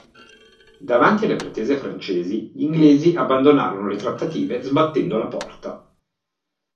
Davanti alle pretese francesi, gli inglesi abbandonarono le trattative sbattendo la porta.